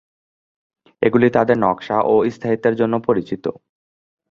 এগুলি তাদের নকশা এবং স্থায়িত্বের জন্য পরিচিত।